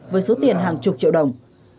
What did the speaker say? với số tiền hàng chục triệu đồng